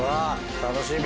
楽しみ。